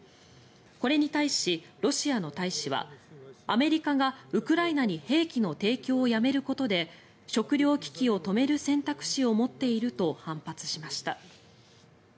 これに対し、ロシアの大使はアメリカがウクライナに兵器の提供をやめることで食糧危機を止める選択肢を持っていると反発しました。